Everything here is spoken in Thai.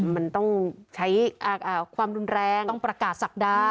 มันต้องใช้ความรุนแรงต้องประกาศศักดา